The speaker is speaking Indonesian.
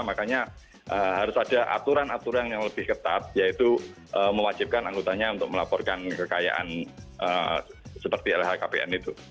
makanya harus ada aturan aturan yang lebih ketat yaitu mewajibkan anggotanya untuk melaporkan kekayaan seperti lhkpn itu